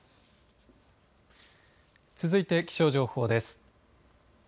続いて気象情報です。